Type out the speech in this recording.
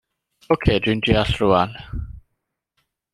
Oce dwi'n deall rŵan.